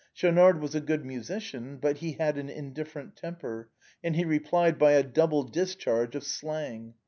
Schaunard was a good musician, but he had an indifferent temper, and he replied by a double discharge of slang.